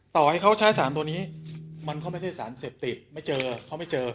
ต่อให้ใช้สารนี้มันก็ไม่ใช่สารเสพติดนั่นไม่เจอ